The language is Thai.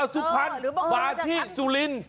สุพรรณมาที่สุรินทร์